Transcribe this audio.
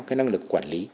cái năng lực quản lý